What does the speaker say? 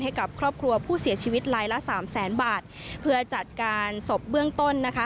ให้กับครอบครัวผู้เสียชีวิตลายละสามแสนบาทเพื่อจัดการศพเบื้องต้นนะคะ